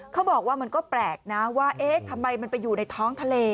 เขาบอกว่ามันก็แปลกนะว่าเอ๊ะทำไมมันไปอยู่ในท้องทะเล